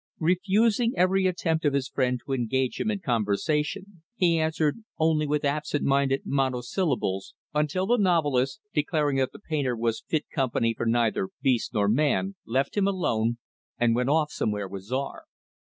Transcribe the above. Refusing every attempt of his friend to engage him in conversation, he answered only with absent minded mono syllables; until the novelist, declaring that the painter was fit company for neither beast nor man, left him alone; and went off somewhere with Czar.